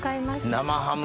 生ハム！